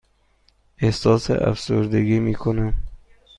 احساس افسردگی می کنم.